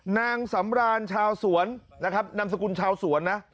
นางสำรานชาวสวนนะครับนามสกุลชาวสวนนะ